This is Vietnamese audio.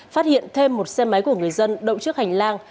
phát hiện thêm một xe máy của người dân đậu trước hành lang